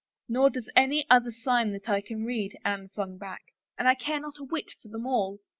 " Nor does any other sign that I can read," Anne flung back. " And I care not a whit for them all